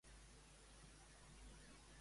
Com anava a les trobades Axiotea?